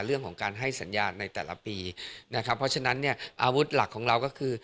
เรื่องของการให้สัญญาณในแต่ละปีนะครับเพราะฉะนั้นเนี่ยอาวุธหลักของเราก็คือ